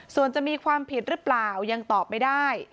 ส่วนจะมีความผิดหรือเปล่ายังตอบไม่ได้